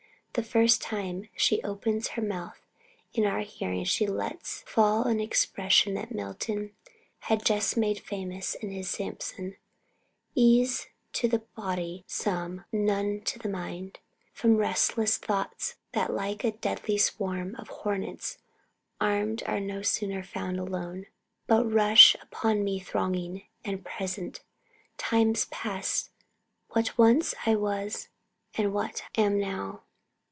The first time she opens her mouth in our hearing she lets fall an expression that Milton had just made famous in his Samson "Ease to the body some, none to the mind From restless thoughts, that like a deadly swarm Of hornets armed no sooner found alone, But rush upon me thronging, and present Times past, what once I was, and what am now."